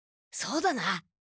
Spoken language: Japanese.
そうだな。